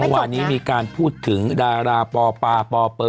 เมื่อวานนี้มีการพูดถึงดาราปอปาปปเปอร์